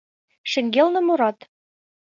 Шеҥгелне мурат.